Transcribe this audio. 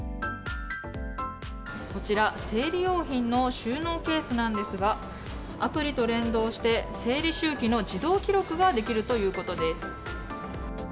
こちら、生理用品の収納ケースなんですが、アプリと連動して、生理周期の自動記録ができるということです。